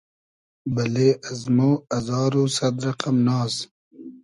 بئلې از مۉ ازار و سئد رئقئم ناز